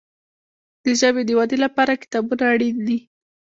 د ژبي د ودي لپاره کتابونه اړین دي.